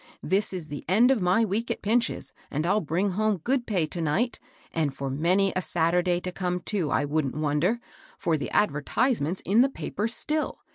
This is the end of my week at Pinch's, and I'll bring home good pay to night, and for many a Saturday to come, too, I wouldn't wonder, for the advertisement's in the paper still.